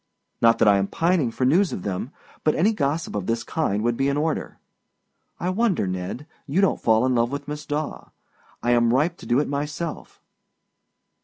Not that I am pining for news of them, but any gossip of the kind would be in order. I wonder, Ned, you donât fall in love with Miss Daw. I am ripe to do it myself.